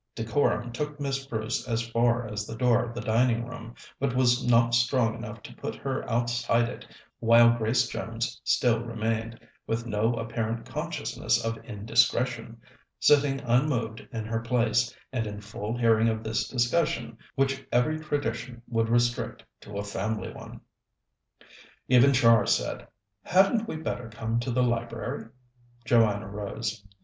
Decorum took Miss Bruce as far as the door of the dining room, but was not strong enough to put her outside it while Grace Jones still remained, with no apparent consciousness of indiscretion, sitting unmoved in her place, and in full hearing of this discussion, which every tradition would restrict to a family one. Even Char said: "Hadn't we better come to the library?" Joanna rose.